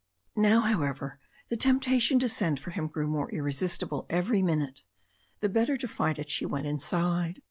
Now, however, the temptation to send for him grew more irresistible every minute. The better to fight it she went inside.